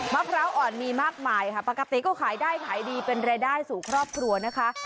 พร้าวอ่อนมีมากมายค่ะปกติก็ขายได้ขายดีเป็นรายได้สู่ครอบครัวนะคะ